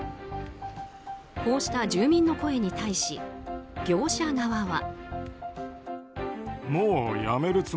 こうした住民の声に対し業者側は。